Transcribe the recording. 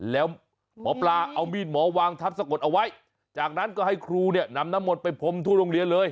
แล้วหมอปลาเอามีดหมอวางทับสะกดเอาไว้จากนั้นก็ให้ครูเนี่ยนำน้ำมนต์ไปพรมทั่วโรงเรียนเลย